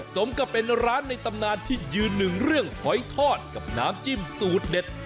สมกับเป็นร้านในตำนานที่ยืนหนึ่งเรื่องหอยทอดกับน้ำจิ้มสูตรเด็ด